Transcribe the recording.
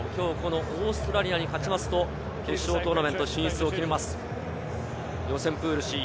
オーストラリアに勝つと決勝トーナメント進出を決めます、予選プールＣ。